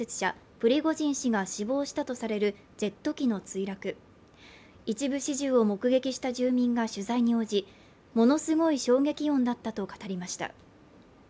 プリゴジン氏が死亡したとされるジェット機の墜落一部始終を目撃した住民が取材に応じものすごい衝撃音だったと語りました